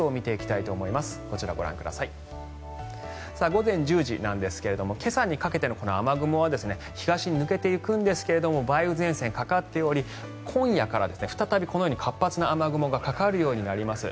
午前１０時なんですが今朝にかけての雨雲は東に抜けていくんですが梅雨前線、かかっており今夜から再びこのように活発な雨雲がかかるようになります。